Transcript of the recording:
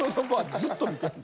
ずっと見てんの？